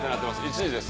１位です。